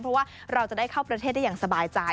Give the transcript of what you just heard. เพราะว่าเราจะได้เข้าประเทศได้อย่างสบายใจ